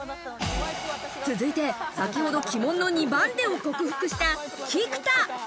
続いて、先ほど鬼門の２番手を克服した菊田。